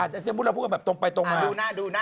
แต่สมมุติเราพูดกันแบบตรงไปตรงมาดูหน้าดูหน้า